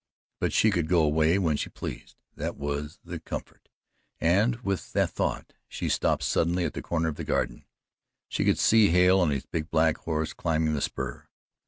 But she could go away when she pleased that was the comfort and with the thought she stopped suddenly at the corner of the garden. She could see Hale on his big black horse climbing the spur.